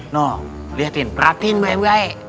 nong perhatiin perhatiin baik baik